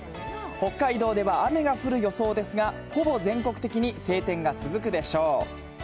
北海道では雨が降る予想ですが、ほぼ全国的に晴天が続くでしょう。